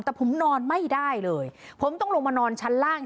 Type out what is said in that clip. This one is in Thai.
แต่ผมนอนไม่ได้เลยผมต้องลงมานอนชั้นล่าง